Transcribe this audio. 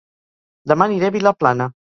Dema aniré a Vilaplana